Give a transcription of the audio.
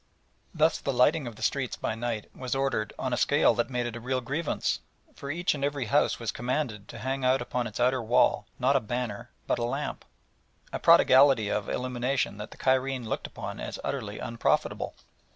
Thus the lighting of the streets by night was ordered on a scale that made it a real grievance, for each and every house was commanded to hang out upon its outer wall not a banner but a lamp a prodigality of illumination that the Cairene looked upon as utterly unprofitable.